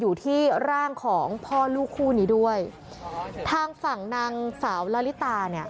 อยู่ที่ร่างของพ่อลูกคู่นี้ด้วยทางฝั่งนางสาวละลิตาเนี่ย